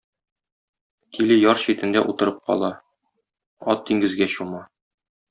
Тиле яр читендә утырып кала, ат диңгезгә чума.